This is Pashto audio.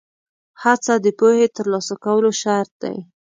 هڅه د پوهې ترلاسه کولو شرط دی.